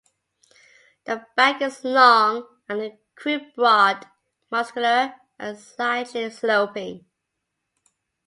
The back is long and the croup broad, muscular and slightly sloping.